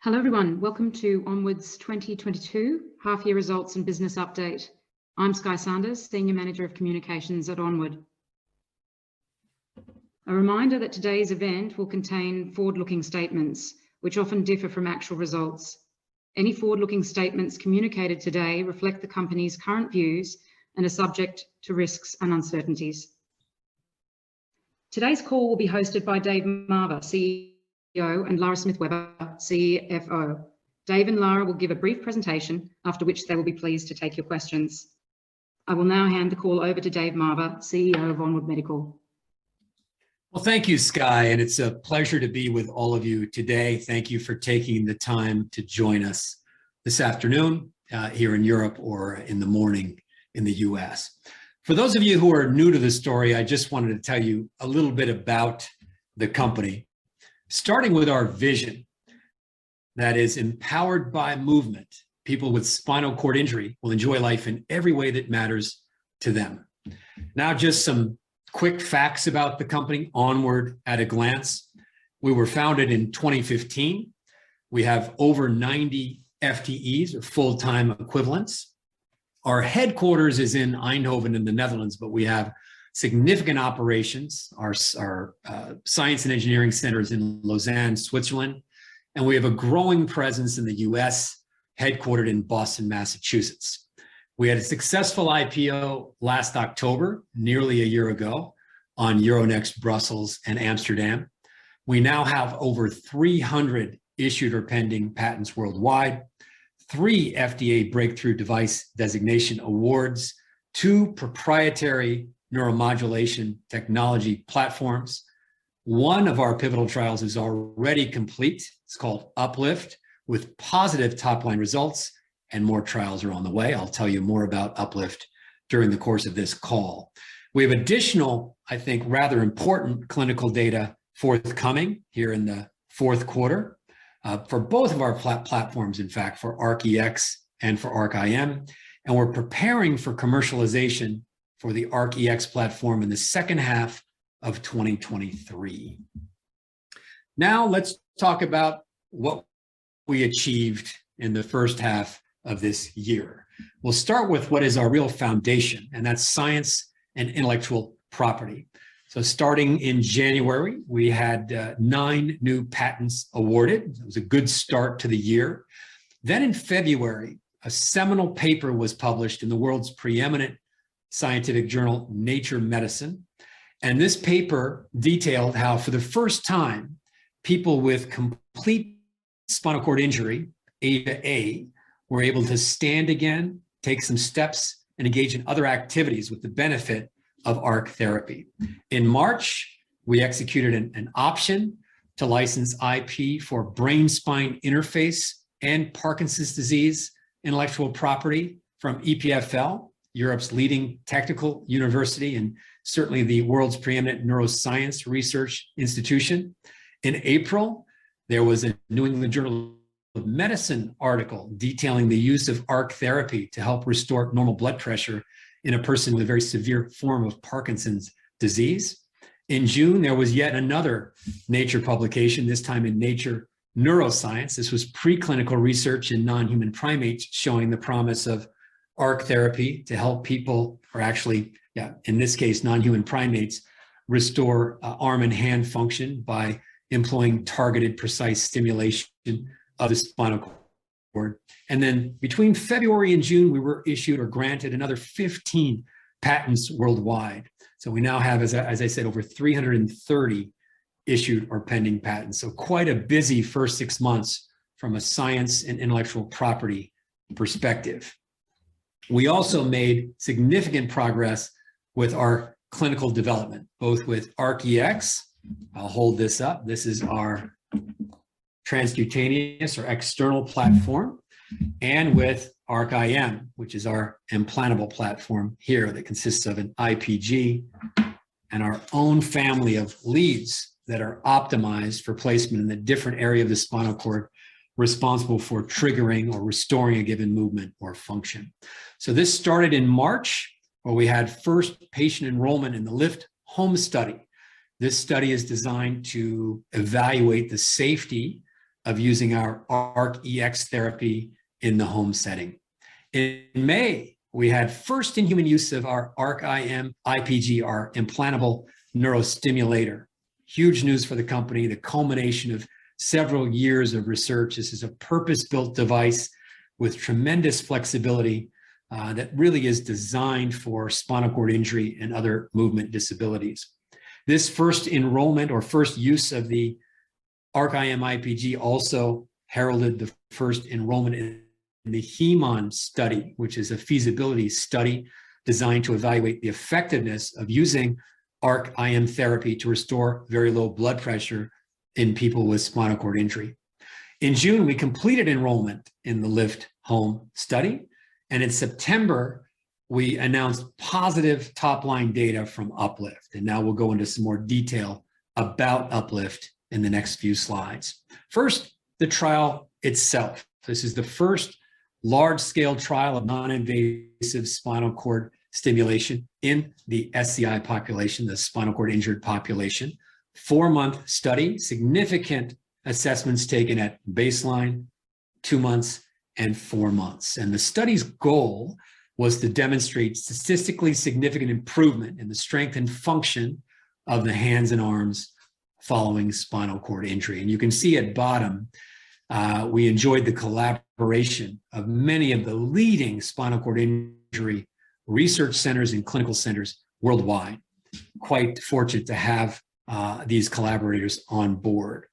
Hello, everyone. Welcome to Onward's 2022 half-year results and business update. I'm Skye Sanders, Senior Manager of Communications at Onward. A reminder that today's event will contain forward-looking statements which often differ from actual results. Any forward-looking statements communicated today reflect the company's current views and are subject to risks and uncertainties. Today's call will be hosted by Dave Marver, CEO, and Lara Smith Weber, CFO. Dave and Lara will give a brief presentation, after which they will be pleased to take your questions. I will now hand the call over to Dave Marver, CEO of Onward Medical. Well, thank you, Skye, and it's a pleasure to be with all of you today. Thank you for taking the time to join us this afternoon here in Europe or in the morning in the US. For those of you who are new to this story, I just wanted to tell you a little bit about the company. Starting with our vision that is, empowered by movement, people with spinal cord injury will enjoy life in every way that matters to them. Now just some quick facts about the company, Onward at a glance. We were founded in 2015. We have over 90 FTEs, or full-time equivalents. Our headquarters is in Eindhoven in the Netherlands, but we have significant operations. Our science and engineering center is in Lausanne, Switzerland, and we have a growing presence in the US, headquartered in Boston, Massachusetts. We had a successful IPO last October, nearly a year ago, on Euronext Brussels and Amsterdam. We now have over 300 issued or pending patents worldwide, three FDA Breakthrough Device Designation awards, two proprietary neuromodulation technology platforms. One of our pivotal trials is already complete, it's called Up-LIFT, with positive top-line results and more trials are on the way. I'll tell you more about Up-LIFT during the course of this call. We have additional, I think, rather important clinical data forthcoming here in the fourth quarter, for both of our platforms, in fact, for ARC-EX and for ARC-IM, and we're preparing for commercialization for the ARC-EX platform in the second half of 2023. Now let's talk about what we achieved in the first half of this year. We'll start with what is our real foundation, and that's science and intellectual property. Starting in January, we had nine new patents awarded. It was a good start to the year. In February, a seminal paper was published in the world's preeminent scientific journal, Nature Medicine, and this paper detailed how for the first time, people with complete spinal cord injury, AIS A, were able to stand again, take some steps, and engage in other activities with the benefit of ARC Therapy. In March, we executed an option to license IP for brain-spine interface and Parkinson's disease intellectual property from EPFL, Europe's leading technical university and certainly the world's preeminent neuroscience research institution. In April, there was a New England Journal of Medicine article detailing the use of ARC Therapy to help restore normal blood pressure in a person with a very severe form of Parkinson's disease. In June, there was yet another Nature publication, this time in Nature Neuroscience. This was preclinical research in non-human primates showing the promise of ARC Therapy to help people, or actually, yeah, in this case, non-human primates, restore arm and hand function by employing targeted precise stimulation of the spinal cord. Then between February and June, we were issued or granted another 15 patents worldwide. We now have, as I said, over 330 issued or pending patents. Quite a busy first six months from a science and intellectual property perspective. We also made significant progress with our clinical development, both with ARC-EX, I'll hold this up, this is our transcutaneous or external platform, and with ARC-IM, which is our implantable platform here that consists of an IPG and our own family of leads that are optimized for placement in the different area of the spinal cord responsible for triggering or restoring a given movement or function. This started in March, where we had first patient enrollment in the LIFT Home study. This study is designed to evaluate the safety of using our ARC-EX therapy in the home setting. In May, we had first in-human use of our ARC-IM IPG, our implantable neurostimulator. Huge news for the company, the culmination of several years of research. This is a purpose-built device with tremendous flexibility, that really is designed for spinal cord injury and other movement disabilities. This first enrollment or first use of the ARC-IM IPG also heralded the first enrollment in the HemON study, which is a feasibility study designed to evaluate the effectiveness of using ARC-IM therapy to restore very low blood pressure in people with spinal cord injury. In June, we completed enrollment in the LIFT Home study, and in September, we announced positive top-line data from Up-LIFT, and now we'll go into some more detail about Up-LIFT in the next few slides. First, the trial itself. This is the first large-scale trial of noninvasive spinal cord stimulation in the SCI population, the spinal cord injured population. Four-month study, significant assessments taken at baseline, two months, and four months. The study's goal was to demonstrate statistically significant improvement in the strength and function of the hands and arms following spinal cord injury. You can see at bottom, we enjoyed the collaboration of many of the leading spinal cord injury research centers and clinical centers worldwide. Quite fortunate to have these collaborators on board.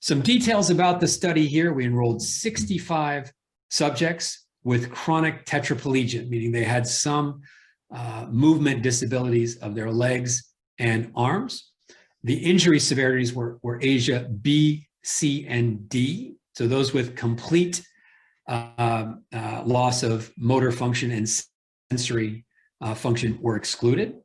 Some details about the study here. We enrolled 65 subjects with chronic tetraplegia, meaning they had some movement disabilities of their legs and arms. The injury severities were ASIA B, C, and D, so those with complete loss of motor function and sensory function were excluded.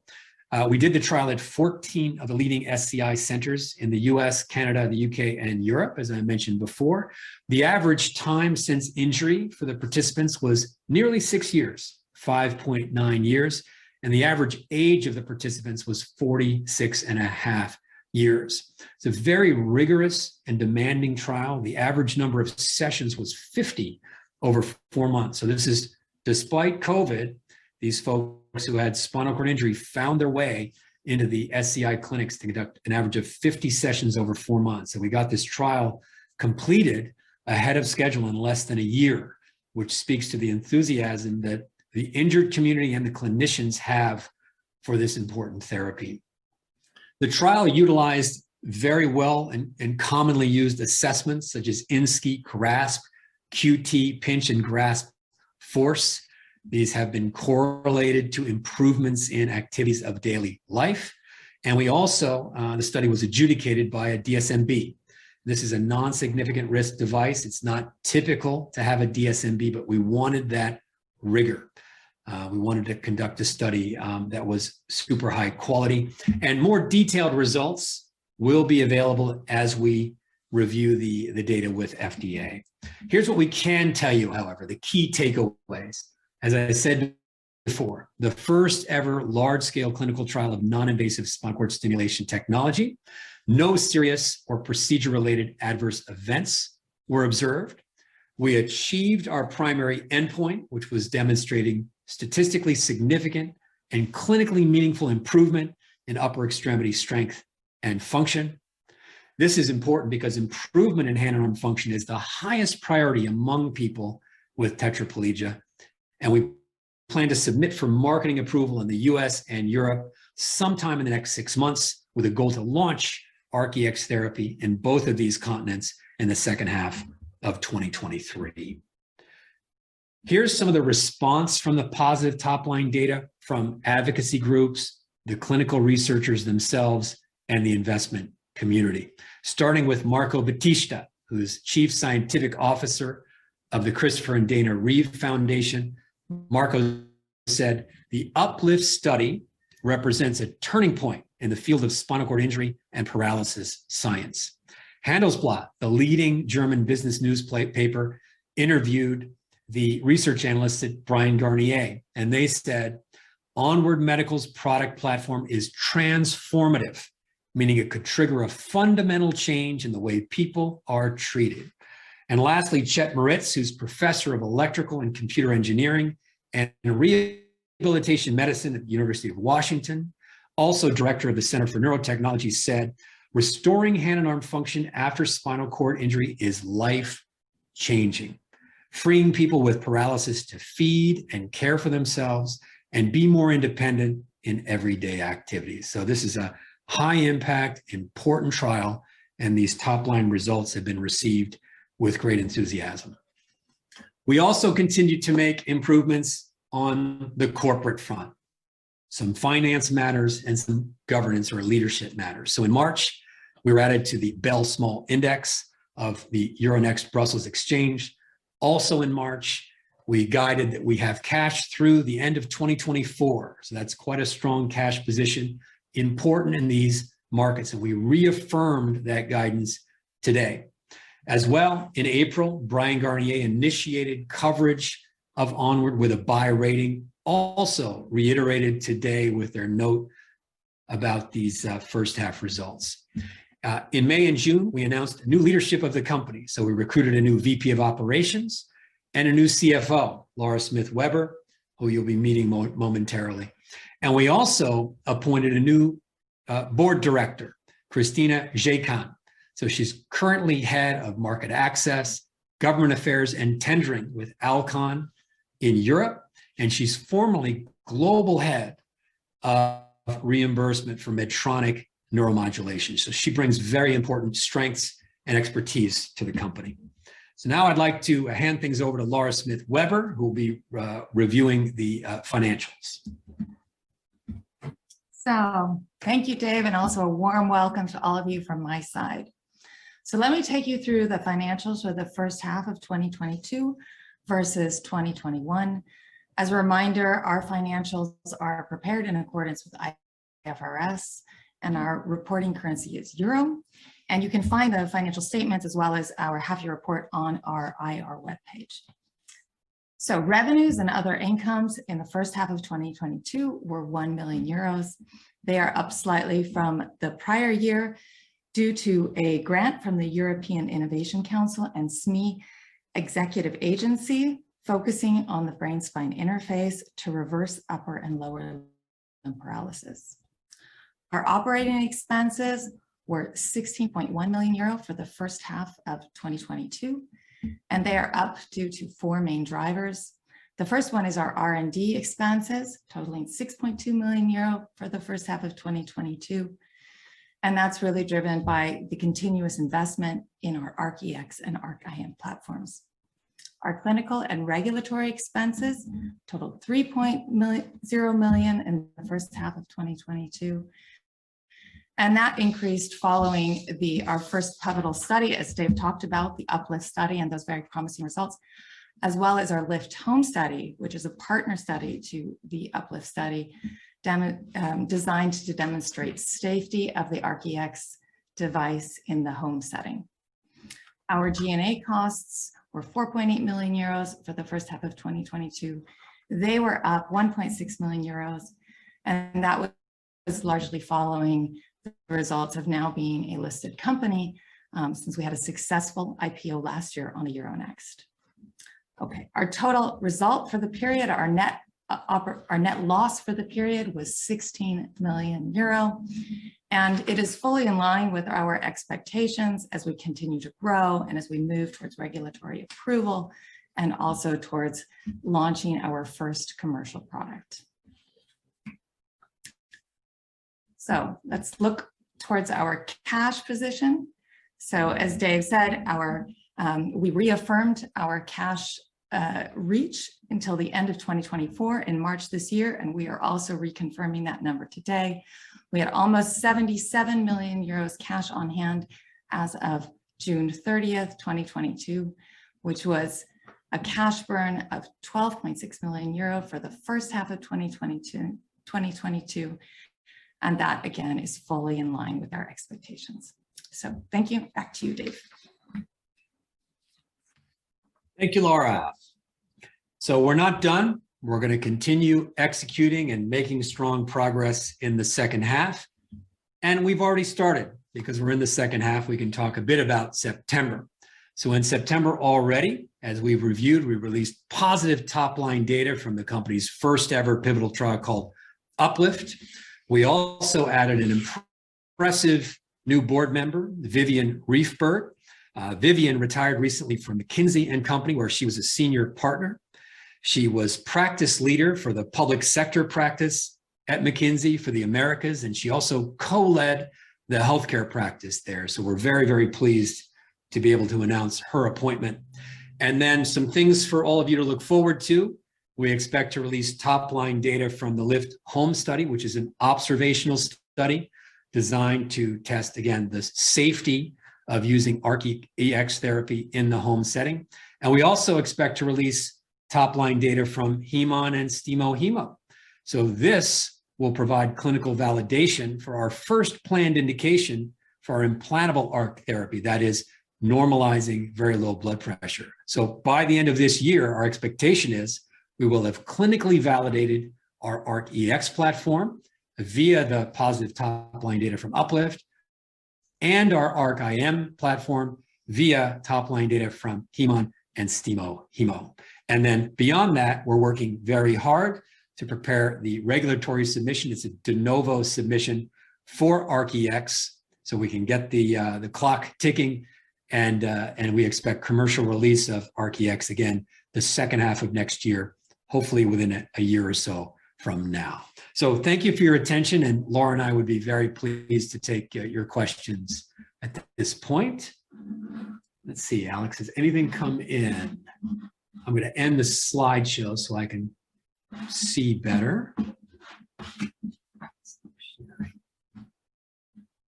We did the trial at 14 of the leading SCI centers in the US, Canada, the U.K., and Europe, as I mentioned before. The average time since injury for the participants was nearly 6 years, 5.9 years, and the average age of the participants was 46.5 years. It's a very rigorous and demanding trial. The average number of sessions was 50 over four months. This is despite COVID. These folks who had spinal cord injury found their way into the SCI clinics to conduct an average of 50 sessions over four months. We got this trial completed ahead of schedule in less than a year, which speaks to the enthusiasm that the injured community and the clinicians have for this important therapy. The trial utilized very well and commonly used assessments such as ISNCSCI, GRASSP, key pinch and grasp force. These have been correlated to improvements in activities of daily life. The study was adjudicated by a DSMB. This is a non-significant risk device. It's not typical to have a DSMB, but we wanted that rigor. We wanted to conduct a study that was super high quality. More detailed results will be available as we review the data with FDA. Here's what we can tell you, however, the key takeaways. As I said before, the first ever large-scale clinical trial of non-invasive spinal cord stimulation technology. No serious or procedure-related adverse events were observed. We achieved our primary endpoint, which was demonstrating statistically significant and clinically meaningful improvement in upper extremity strength and function. This is important because improvement in hand and arm function is the highest priority among people with tetraplegia, and we plan to submit for marketing approval in the US and Europe sometime in the next six months with a goal to launch ARC-EX Therapy in both of these continents in the second half of 2023. Here's some of the response to the positive top-line data from advocacy groups, the clinical researchers themselves, and the investment community. Starting with Marco Baptista, who's Chief Scientific Officer of the Christopher & Dana Reeve Foundation. Marco said, "The Up-LIFT study represents a turning point in the field of spinal cord injury and paralysis science." Handelsblatt, the leading German business newspaper, interviewed the research analyst at Bryan Garnier, and they said, "Onward Medical's product platform is transformative, meaning it could trigger a fundamental change in the way people are treated." Lastly, Chet Moritz, who's Professor of Electrical & Computer Engineering and Rehabilitation Medicine at the University of Washington, also Director of the Center for Neurotechnology, said, "Restoring hand and arm function after spinal cord injury is life-changing, freeing people with paralysis to feed and care for themselves and be more independent in everyday activities." This is a high impact, important trial, and these top-line results have been received with great enthusiasm. We also continue to make improvements on the corporate front, some finance matters and some governance or leadership matters. In March, we were added to the BEL Small Index of the Euronext Brussels exchange. In March, we guided that we have cash through the end of 2024, so that's quite a strong cash position, important in these markets. We reaffirmed that guidance today. In April, Bryan Garnier initiated coverage of Onward with a buy rating, also reiterated today with their note about these first half results. In May and June, we announced new leadership of the company. We recruited a new VP of operations and a new CFO, Laura Smith Webber, who you'll be meeting momentarily. We also appointed a new board director, Kristina Dziekan. She's currently head of market access, government affairs, and tendering with Alcon in Europe, and she's formerly global head of reimbursement for Medtronic Neuromodulation. She brings very important strengths and expertise to the company. Now I'd like to hand things over to Lara Smith Weber, who will be reviewing the financials. Thank you, Dave, and also a warm welcome to all of you from my side. Let me take you through the financials for the first half of 2022 versus 2021. As a reminder, our financials are prepared in accordance with IFRS, and our reporting currency is euro. You can find the financial statements as well as our half year report on our IR webpage. Revenues and other incomes in the first half of 2022 were €1 million. They are up slightly from the prior year due to a grant from the European Innovation Council and SMEs Executive Agency, focusing on the brain-spine interface to reverse upper and lower limb paralysis. Our operating expenses were €16.1 million for the first half of 2022, and they are up due to four main drivers. The first one is our R&D expenses, totaling €6.2 million for the first half of 2022, and that's really driven by the continuous investment in our ARC-EX and ARC-IM platforms. Our clinical and regulatory expenses totaled €3.0 million in the first half of 2022, and that increased following our first pivotal study, as Dave talked about, the Up-LIFT study, and those very promising results, as well as our LIFT Home study, which is a partner study to the Up-LIFT study designed to demonstrate safety of the ARC-EX device in the home setting. Our G&A costs were €4.8 million for the first half of 2022. They were up €1.6 million, and that was largely following the results of now being a listed company, since we had a successful IPO last year on the Euronext. Okay, our total result for the period, our net loss for the period was €16 million, and it is fully in line with our expectations as we continue to grow and as we move towards regulatory approval and also towards launching our first commercial product. Let's look towards our cash position. As Dave said, we reaffirmed our cash reach until the end of 2024 in March this year, and we are also reconfirming that number today. We had almost €77 million cash on hand as of June 30, 2022, which was a cash burn of €12.6 million for the first half of 2022, and that again is fully in line with our expectations. Thank you. Back to you, Dave. Thank you, Lara. We're not done. We're gonna continue executing and making strong progress in the second half, and we've already started. Because we're in the second half, we can talk a bit about September. In September already, as we've reviewed, we released positive top-line data from the company's first ever pivotal trial called Up-LIFT. We also added an impressive new board member, Vivian Riefberg. Vivian retired recently from McKinsey & Company, where she was a senior partner. She was practice leader for the public sector practice at McKinsey for the Americas, and she also co-led the healthcare practice there. We're very, very pleased to be able to announce her appointment. Some things for all of you to look forward to, we expect to release top-line data from the LIFT Home study, which is an observational study designed to test again the safety of using ARC-EX Therapy in the home setting. We also expect to release top-line data from HemON and STIMO-HEMO. This will provide clinical validation for our first planned indication for our implantable ARC Therapy that is normalizing very low blood pressure. By the end of this year, our expectation is we will have clinically validated our ARC-EX platform via the positive top-line data from Up-LIFT and our ARC-IM platform via top-line data from HemON and STIMO-HEMO. Beyond that, we're working very hard to prepare the regulatory submission. It's a de novo submission for ARC-EX, so we can get the clock ticking and we expect commercial release of ARC-EX again the second half of next year, hopefully within a year or so from now. Thank you for your attention, and Lara and I would be very pleased to take your questions at this point. Let's see, Alex, has anything come in? I'm gonna end the slideshow so I can see better. Stop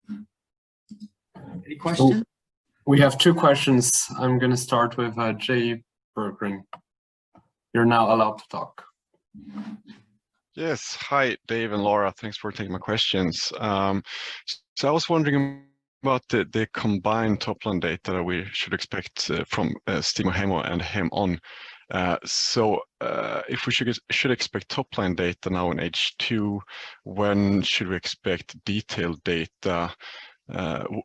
sharing. Any questions? We have two questions. I'm gonna start with, Jay Berggren. You're now allowed to talk. Yes. Hi, Dave and Lara. Thanks for taking my questions. I was wondering about the combined top-line data we should expect from STIMO-HEMO and HemON. If we should expect top-line data now in H2, when should we expect detailed data?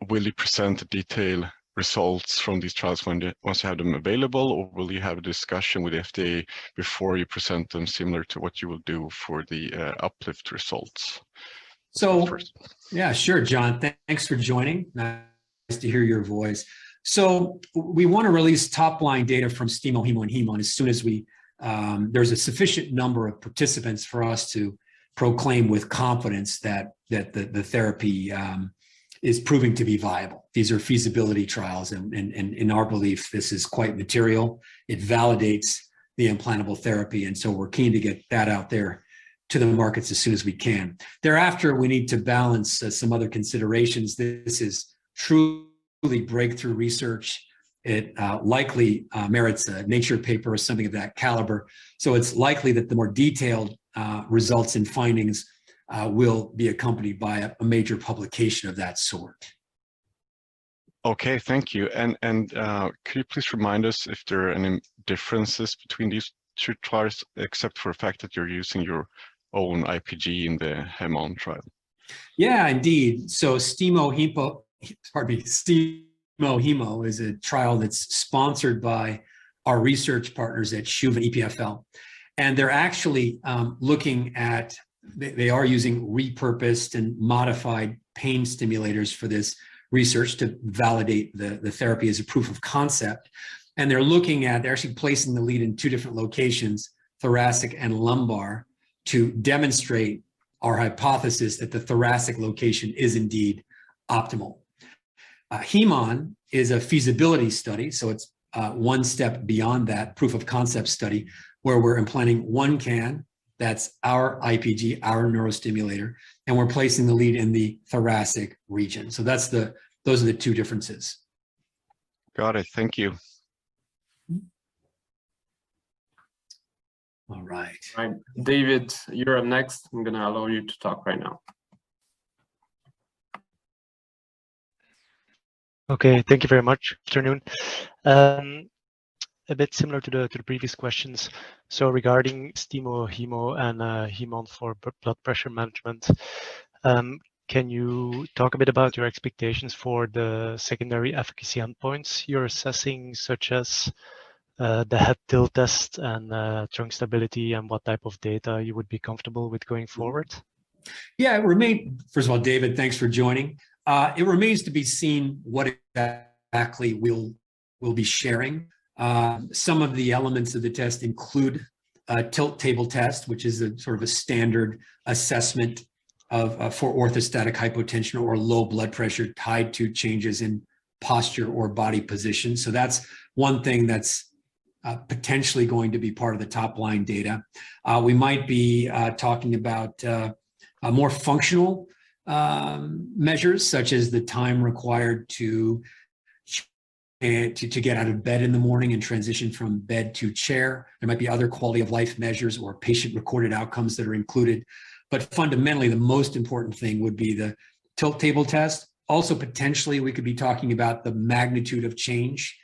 Will you present detailed results from these trials once you have them available, or will you have a discussion with the FDA before you present them similar to what you will do for the Up-LIFT results? So- First... yeah, sure, John. Thanks for joining. Nice to hear your voice. We wanna release top-line data from STIMO-HEMO and HemON as soon as there's a sufficient number of participants for us to proclaim with confidence that the therapy is proving to be viable. These are feasibility trials and in our belief this is quite material. It validates the implantable therapy, and we're keen to get that out there to the markets as soon as we can. Thereafter, we need to balance some other considerations. This is truly breakthrough research, it likely merits a Nature paper or something of that caliber. It's likely that the more detailed results and findings will be accompanied by a major publication of that sort. Okay, thank you. Could you please remind us if there are any differences between these two trials, except for the fact that you're using your own IPG in the HemON trial? Yeah, indeed. STIMO-HEMO is a trial that's sponsored by our research partners at CHUV EPFL, and they're actually looking at. They are using repurposed and modified pain stimulators for this research to validate the therapy as a proof of concept, and they're looking at. They're actually placing the lead in two different locations, thoracic and lumbar, to demonstrate our hypothesis that the thoracic location is indeed optimal. HemON is a feasibility study, so it's one step beyond that proof of concept study where we're implanting one can, that's our IPG, our neurostimulator, and we're placing the lead in the thoracic region. That's the those are the two differences. Got it. Thank you. Mm-hmm. All right. All right. Dave, you're up next. I'm gonna allow you to talk right now. Okay. Thank you very much. Good afternoon. A bit similar to the previous questions. Regarding STIMO-HEMO and HemON for blood pressure management, can you talk a bit about your expectations for the secondary efficacy endpoints you're assessing, such as the tilt table test and trunk stability, and what type of data you would be comfortable with going forward? First of all, Dave, thanks for joining. It remains to be seen what exactly we'll be sharing. Some of the elements of the test include a tilt table test, which is a standard assessment of, for orthostatic hypotension or low blood pressure tied to changes in posture or body position. That's one thing that's potentially going to be part of the top line data. We might be talking about a more functional measures such as the time required to get out of bed in the morning and transition from bed to chair. There might be other quality-of-life measures or patient-recorded outcomes that are included. Fundamentally, the most important thing would be the tilt table test. Also, potentially we could be talking about the magnitude of change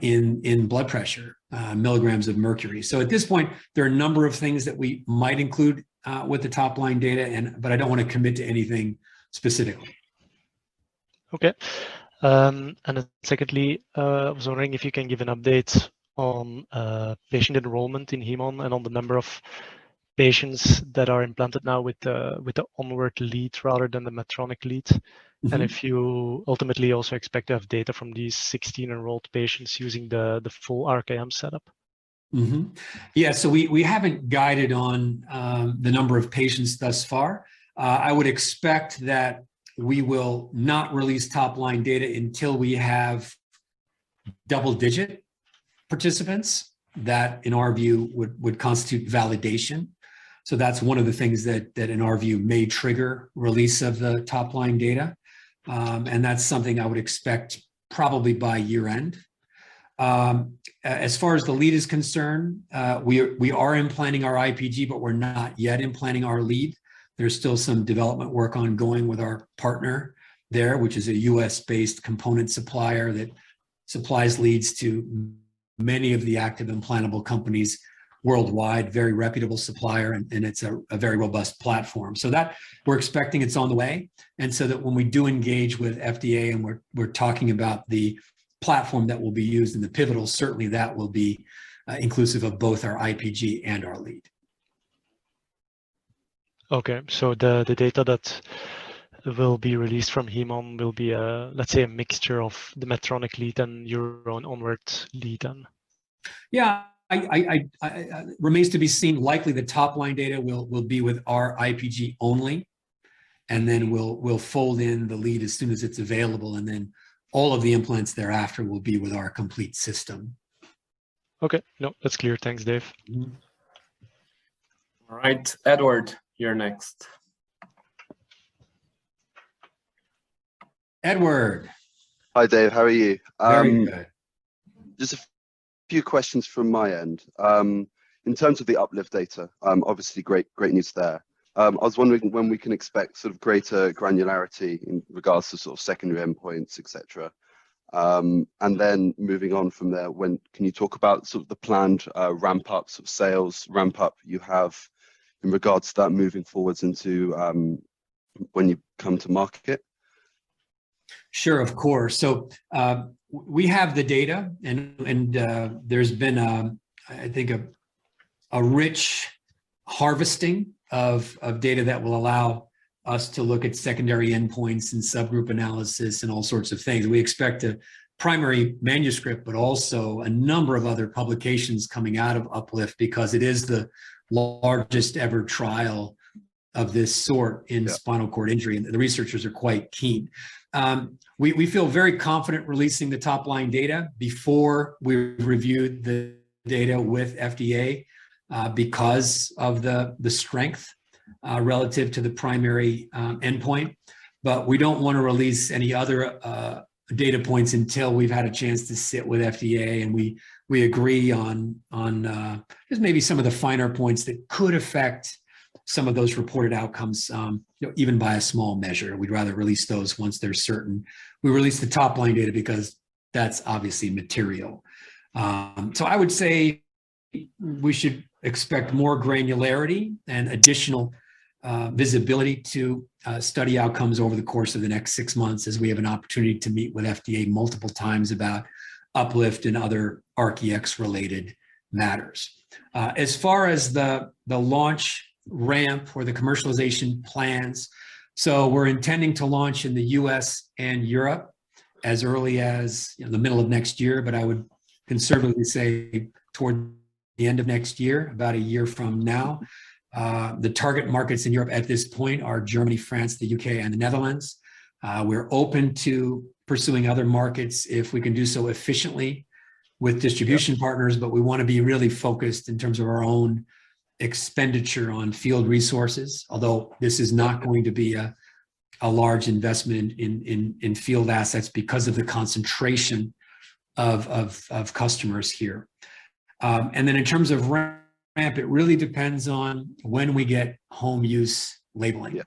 in blood pressure, milligrams of mercury. At this point, there are a number of things that we might include with the top line data, but I don't wanna commit to anything specifically. Secondly, I was wondering if you can give an update on patient enrollment in HemON and on the number of patients that are implanted now with the Onward lead rather than the Medtronic lead? Mm-hmm. If you ultimately also expect to have data from these 16 enrolled patients using the full ARC-IM setup. We haven't guided on the number of patients thus far. I would expect that we will not release top line data until we have double-digit participants that in our view would constitute validation. That's one of the things that in our view may trigger release of the top line data. That's something I would expect probably by year-end. As far as the lead is concerned, we are implanting our IPG, but we're not yet implanting our lead. There's still some development work ongoing with our partner there, which is a US-based component supplier that supplies leads to many of the active implantable companies worldwide. Very reputable supplier and it's a very robust platform. that we're expecting it's on the way, and so that when we do engage with FDA and we're talking about the platform that will be used in the pivotal, certainly that will be inclusive of both our IPG and our lead. The data that will be released from HemON will be, let's say, a mixture of the Medtronic lead and your own Onward's lead then. Yeah. Remains to be seen. Likely the top line data will be with our IPG only, and then we'll fold in the lead as soon as it's available, and then all of the implants thereafter will be with our complete system. Okay. No, that's clear. Thanks, Dave. Mm-hmm. All right. Edward, you're next. Edward. Hi, Dave. How are you? Very good. Just a few questions from my end. In terms of the Up-LIFT data, obviously great news there. I was wondering when we can expect greater granularity in regards to secondary endpoints, et cetera. Moving on from there, when can you talk about the planned ramp-ups of sales, ramp-up you have in regards to that moving forwards into when you come to market? Sure, of course. We have the data and there's been I think a rich harvesting of data that will allow us to look at secondary endpoints and subgroup analysis and all sorts of things. We expect a primary manuscript, but also a number of other publications coming out of Up-LIFT because it is the largest ever trial of this sort in- Yeah Spinal cord injury, and the researchers are quite keen. We feel very confident releasing the top-line data before we've reviewed the data with FDA because of the strength relative to the primary endpoint. We don't wanna release any other data points until we've had a chance to sit with FDA, and we agree on just maybe some of the finer points that could affect some of those reported outcomes, you know, even by a small measure. We'd rather release those once they're certain. We released the top-line data because that's obviously material. I would say we should expect more granularity and additional visibility to study outcomes over the course of the next six months as we have an opportunity to meet with FDA multiple times about Up-LIFT and other ARC-EX-related matters. As far as the launch ramp or the commercialization plans, we're intending to launch in the US and Europe as early as, you know, the middle of next year. I would conservatively say toward the end of next year, about a year from now. The target markets in Europe at this point are Germany, France, the UK, and the Netherlands. We're open to pursuing other markets if we can do so efficiently with distribution partners, but we wanna be really focused in terms of our own expenditure on field resources. This is not going to be a large investment in field assets because of the concentration of customers here. In terms of ramp, it really depends on when we get home use labeling.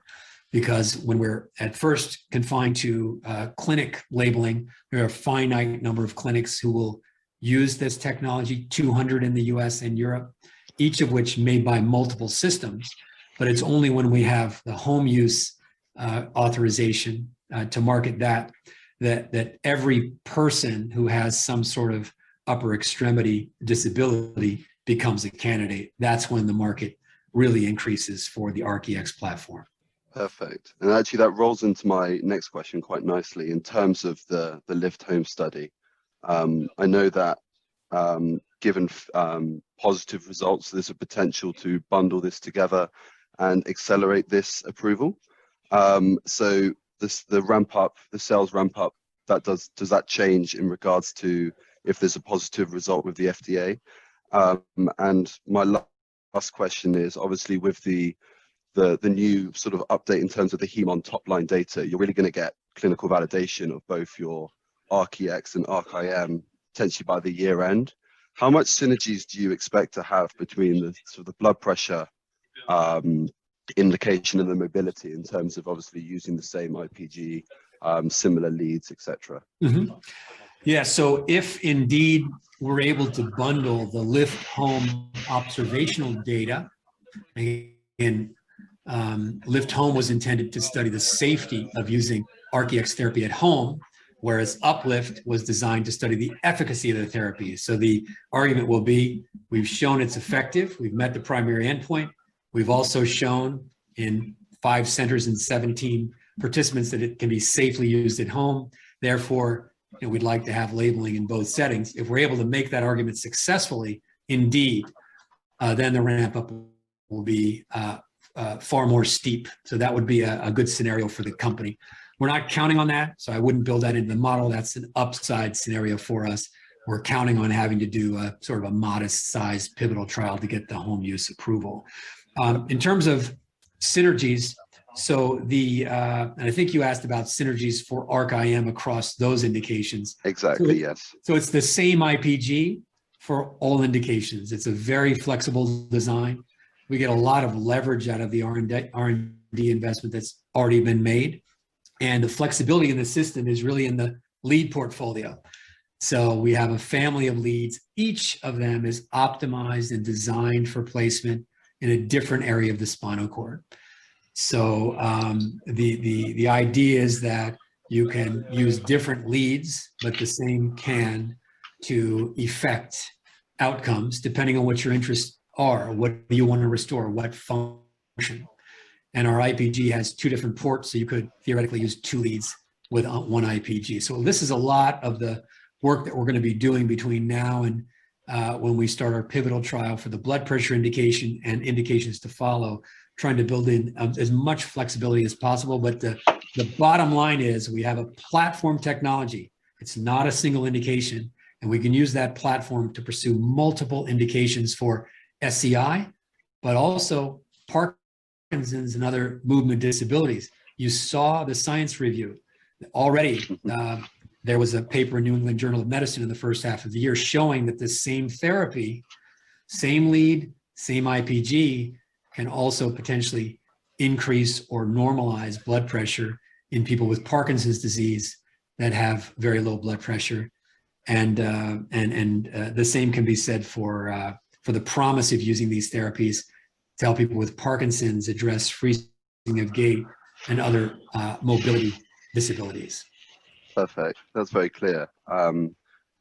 Yeah. Because when we're at first confined to clinical labeling, there are a finite number of clinics who will use this technology, 200 in the US and Europe, each of which may buy multiple systems. It's only when we have the home use authorization to market that every person who has some upper extremity disability becomes a candidate. That's when the market really increases for the ARC-EX platform. Perfect. Actually, that rolls into my next question quite nicely. In terms of the LIFT Home study, I know that, given positive results, there's a potential to bundle this together and accelerate this approval. The ramp up, the sales ramp up. Does that change in regards to if there's a positive result with the FDA? My last question is, obviously, with the new update in terms of the HemON top-line data, you're really gonna get clinical validation of both your ARC-EX and ARC-IM potentially by the year end. How much synergies do you expect to have between the blood pressure indication and the mobility in terms of obviously using the same IPG, similar leads, et cetera? If indeed we're able to bundle the LIFT Home observational data, and LIFT Home was intended to study the safety of using ARC-EX therapy at home, whereas Up-LIFT was designed to study the efficacy of the therapy. The argument will be, we've shown it's effective. We've met the primary endpoint. We've also shown in five centers in 17 participants that it can be safely used at home. Therefore, you know, we'd like to have labeling in both settings. If we're able to make that argument successfully, indeed, then the ramp-up will be far more steep. That would be a good scenario for the company. We're not counting on that, so I wouldn't build that into the model. That's an upside scenario for us. We're counting on having to do a a modest-sized pivotal trial to get the home use approval. In terms of synergies, I think you asked about synergies for ARC-IM across those indications. Exactly, yes. It's the same IPG for all indications. It's a very flexible design. We get a lot of leverage out of the R&D, R&D investment that's already been made, and the flexibility in the system is really in the lead portfolio. We have a family of leads. Each of them is optimized and designed for placement in a different area of the spinal cord. The idea is that you can use different leads, but the same can to effect outcomes depending on what your interests are, what you want to restore, what function. Our IPG has two different ports, so you could theoretically use two leads with one IPG. This is a lot of the work that we're gonna be doing between now and when we start our pivotal trial for the blood pressure indication and indications to follow, trying to build in as much flexibility as possible. The bottom line is we have a platform technology. It's not a single indication, and we can use that platform to pursue multiple indications for SCI, but also Parkinson's and other movement disabilities. You saw the science review. Already, there was a paper in New England Journal of Medicine in the first half of the year showing that the same therapy, same lead, same IPG, can also potentially increase or normalize blood pressure in people with Parkinson's disease that have very low blood pressure. The same can be said for the promise of using these therapies to help people with Parkinson's address freezing of gait and other mobility disabilities. Perfect. That's very clear.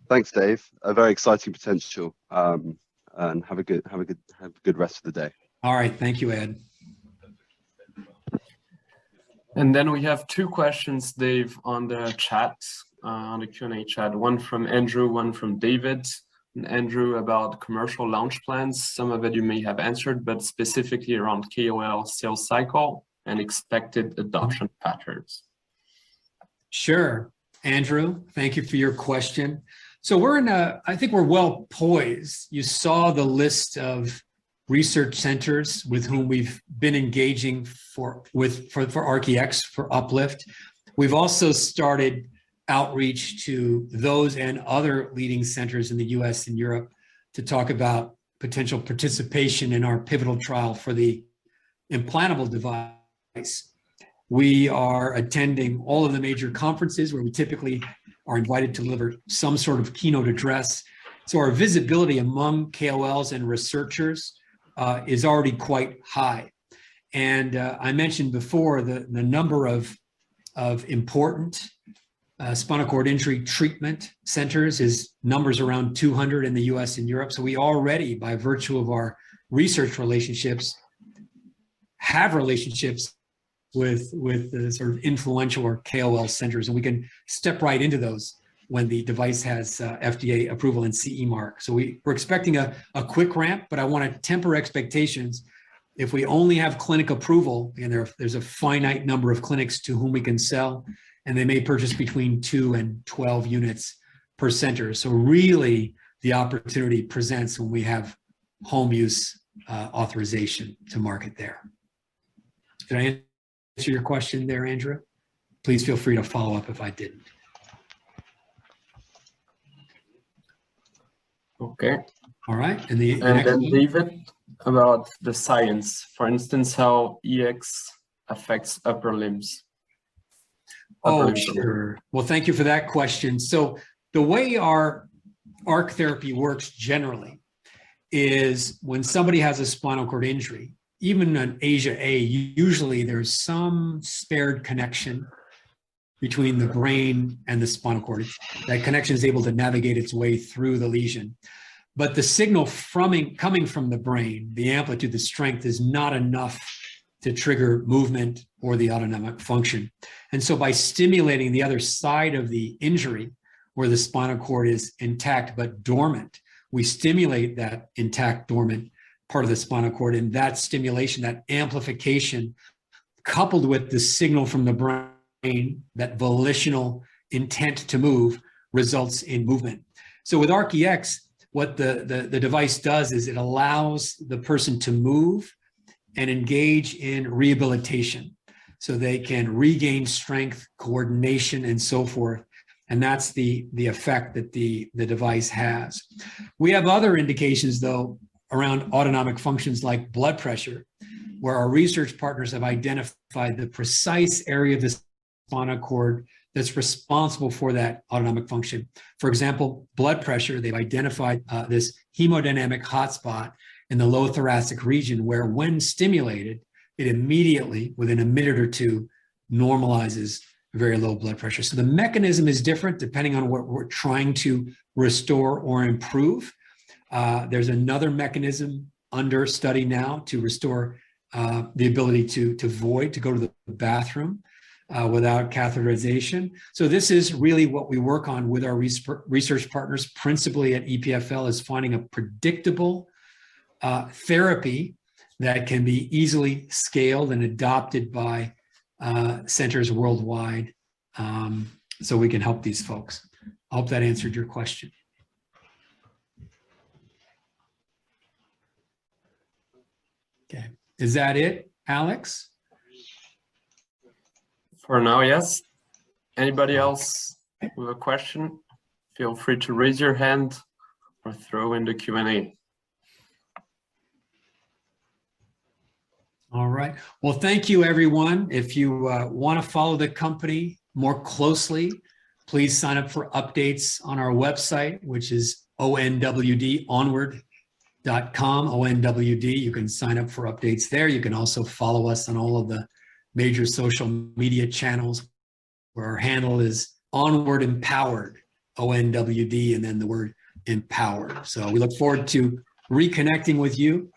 Thanks, Dave. A very exciting potential, and have a good rest of the day. All right. Thank you, Edward. Then we have two questions, Dave, on the chat, on the Q&A chat, one from Andrew, one from David. Andrew about commercial launch plans. Some of it you may have answered, but specifically around KOL sales cycle and expected adoption patterns. Sure. Andrew, thank you for your question. I think we're well poised. You saw the list of research centers with whom we've been engaging for ARC-EX, for Up-LIFT. We've also started outreach to those and other leading centers in the US and Europe to talk about potential participation in our pivotal trial for the implantable device. We are attending all of the major conferences where we typically are invited to deliver some keynote address. Our visibility among KOLs and researchers is already quite high. I mentioned before the number of important spinal cord injury treatment centers is around 200 in the US and Europe. We already by virtue of our research relationships have relationships with the influential or KOL centers, and we can step right into those when the device has FDA approval and CE mark. We're expecting a quick ramp, but I wanna temper expectations. If we only have clinic approval, and there's a finite number of clinics to whom we can sell, and they may purchase between 2 and 12 units per center. Really the opportunity presents when we have home use authorization to market there. Did I answer your question there, Andrew? Please feel free to follow up if I didn't. Okay. All right. The next one. Dave about the science, for instance, how ARC-EX affects upper limbs function. Oh, sure. Well, thank you for that question. The way our ARC Therapy works generally is when somebody has a spinal cord injury, even an ASIA A, usually there's some spared connection between the brain and the spinal cord. That connection is able to navigate its way through the lesion. The signal coming from the brain, the amplitude, the strength is not enough to trigger movement or the autonomic function. By stimulating the other side of the injury where the spinal cord is intact but dormant, we stimulate that intact, dormant part of the spinal cord, and that stimulation, that amplification, coupled with the signal from the brain, that volitional intent to move results in movement. With ARC-EX, what the device does is it allows the person to move and engage in rehabilitation, so they can regain strength, coordination, and so forth. That's the effect that the device has. We have other indications though around autonomic functions like blood pressure, where our research partners have identified the precise area of the spinal cord that's responsible for that autonomic function. For example, blood pressure, they've identified this hemodynamic hotspot in the low thoracic region where when stimulated, it immediately within a minute or two normalizes very low blood pressure. The mechanism is different depending on what we're trying to restore or improve. There's another mechanism under study now to restore the ability to void, to go to the bathroom without catheterization. This is really what we work on with our research partners, principally at EPFL, is finding a predictable therapy that can be easily scaled and adopted by centers worldwide, so we can help these folks. I hope that answered your question. Okay. Is that it, Alex? For now, yes. Anybody else with a question, feel free to raise your hand or throw in the Q&A. All right. Well, thank you everyone. If you wanna follow the company more closely, please sign up for updates on our website, which is ONWD, onwd.com, ONWD. You can sign up for updates there. You can also follow us on all of the major social media channels where our handle is onwardempowered, ONWD, and then the word empowered. We look forward to reconnecting with you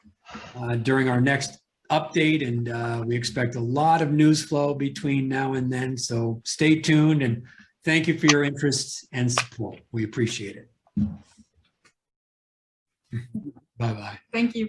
during our next update, and we expect a lot of news flow between now and then. Stay tuned, and thank you for your interest and support. We appreciate it. Bye-bye. Thank you.